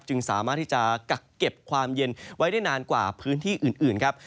สามารถที่จะกักเก็บความเย็นไว้ได้นานกว่าพื้นที่อื่นครับ